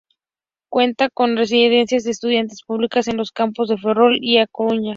Cuenta con residencias de estudiantes públicas en los campus de Ferrol y A Coruña.